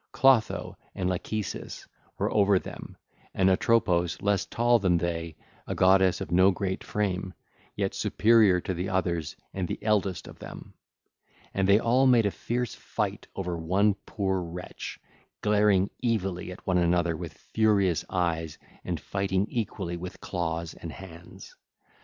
Clotho and Lachesis were over them and Atropos less tall than they, a goddess of no great frame, yet superior to the others and the eldest of them. And they all made a fierce fight over one poor wretch, glaring evilly at one another with furious eyes and fighting equally with claws and hands.